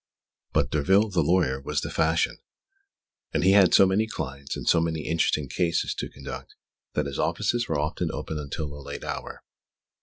But Derville, the lawyer, was the fashion; and he had so many clients and so many interesting cases to conduct that his offices were often open until a late hour.